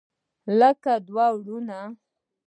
لکه دوه ورونه.